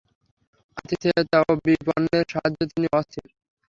আতিথেয়তা ও বিপন্নের সাহায্যে যিনি অস্থির।